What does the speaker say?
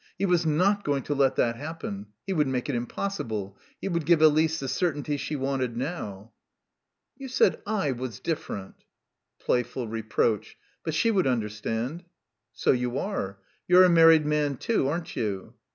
He was not going to let that happen; he would make it impossible; he would give Elise the certainty she wanted now. "You said I was different." Playful reproach. But she would understand. "So you are. You're a married man, too, aren't you?"